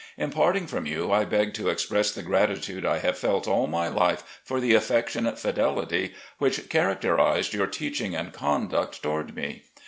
In parting from you, I beg to express the gratitude I have felt all my life for the affectionate fidelity which characterised your teaching and conduct toward me.